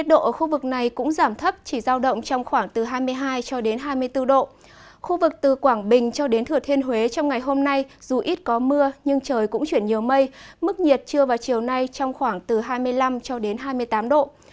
trong ngày hôm nay dù ít có mưa nhưng trời cũng chuyển nhiều mây mức nhiệt chưa vào chiều nay trong khoảng từ hai mươi năm cho đến hai mươi tám độ